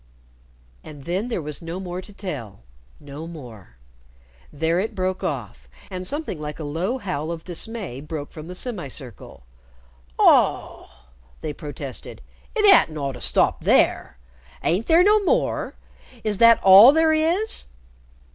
And then there was no more to tell no more. There it broke off, and something like a low howl of dismay broke from the semicircle. "Aw!" they protested, "it 'adn't ought to stop there! Ain't there no more? Is that all there is?"